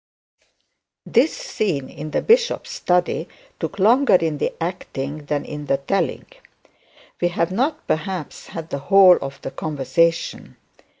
This scene in the bishop's study took longer in the acting than in the telling. We have not, perhaps, had the whole of the conversation.